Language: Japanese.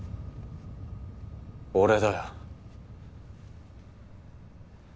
俺だよ。